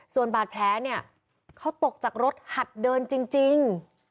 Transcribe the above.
ส่วนบาดแพ้เขาตกจากรถหัดเดินจริง